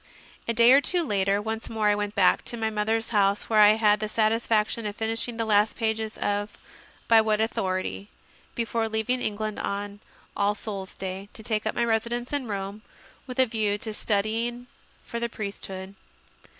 A day or two later, once more I went back to my mother s house, where I had the satisfaction of finishing the last pages of "By What Authority?" before leaving England, on All Souls Day, to take up my residence in Rome with a view to studying for the priesthood.